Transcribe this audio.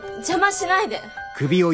邪魔しないで。